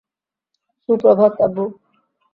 সুপ্রভাত, আব্বু।